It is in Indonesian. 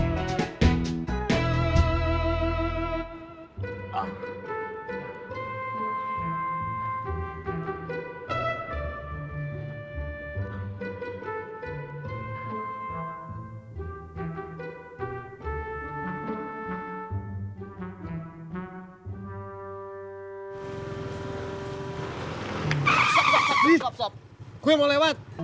mencapai dua puluh kali